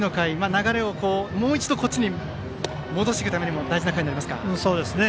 流れをもう一度こっちに戻すためにも大事な回になりますかね。